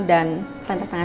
dan tanda tangan